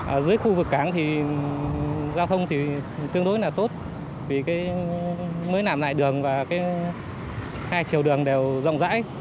ở dưới khu vực cảng thì giao thông thì tương đối là tốt vì mới làm lại đường và hai chiều đường đều rộng rãi